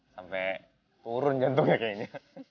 sampe kurun jantungnya kayaknya